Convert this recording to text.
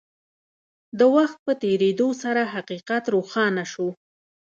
د وخت په تېرېدو سره حقيقت روښانه شو.